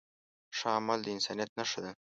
ښه عمل د انسانیت نښه ده.